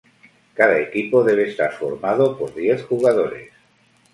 Cada equipo debe estar formado por diez jugadores.